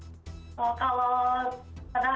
rumah nenek atau rumah saudara